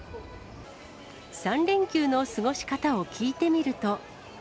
３連休の過ごし方を聞いてみ